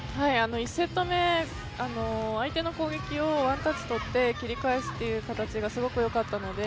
１セット目、相手の攻撃をワンタッチとって切り返すという形がすごくよかったので